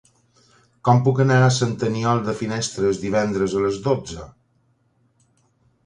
Com puc anar a Sant Aniol de Finestres divendres a les dotze?